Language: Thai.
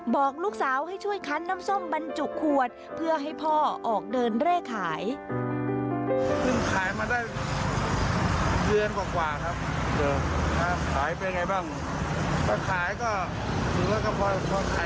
บอกลูกสาวให้ช่วยคันน้ำส้มบรรจุขวดเพื่อให้พ่อออกเดินเร่ขาย